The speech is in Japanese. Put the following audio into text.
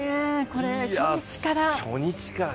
これは初日から。